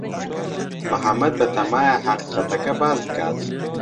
محەمەد بەتەمایە حەقیقەتەکە باس بکات.